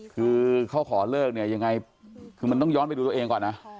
คือเขาขอเลิกเนี่ยยังไงคือมันต้องย้อนไปดูตัวเองก่อนนะ